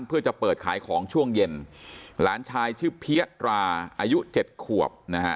เพื่อจะเปิดขายของช่วงเย็นหลานชายชื่อเพี้ยตราอายุเจ็ดขวบนะฮะ